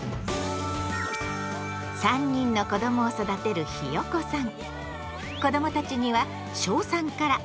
３人の子どもを育てるひよこさん。